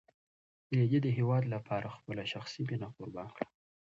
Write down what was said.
رېدي د هېواد لپاره خپله شخصي مینه قربان کړه.